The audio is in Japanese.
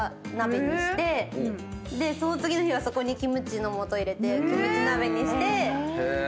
でその次の日はそこにキムチのもと入れてキムチ鍋にして。